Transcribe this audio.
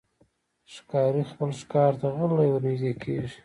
ښکاري خپل ښکار ته غلی ورنژدې کېږي.